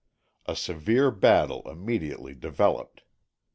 A severe battle immediately developed.